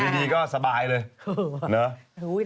ดีก็สบายเลย